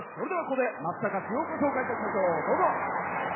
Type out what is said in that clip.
ここで松阪市を紹介いたしましょう。